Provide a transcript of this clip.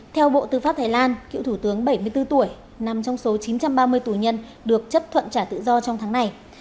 theo bộ tư pháp thái lan kiệu thủ tướng bảy mươi bốn tuổi nằm trong số chín trăm ba mươi tù nhân được chấp thuận trả tự do trong tháng này